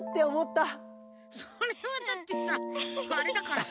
それはだってさあれだからさ。